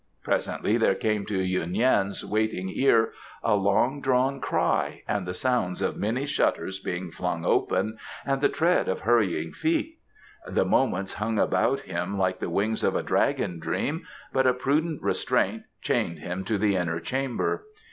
Presently there came to Yuen Yan's waiting ear a long drawn cry and the sounds of many shutters being flung open and the tread of hurrying feet. The moments hung about him like the wings of a dragon dream, but a prudent restraint chained him to the inner chamber.